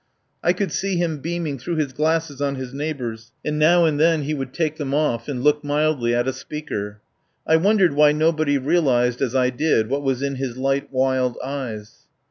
I could see him beaming through his glasses on his neighbours, and now and then he would take them off and look mildly at a speaker. I wondered why nobody realised, as I did, what was in his light wild eyes.